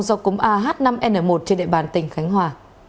do cúng ah năm n một trên địa bàn tỉnh khánh hòa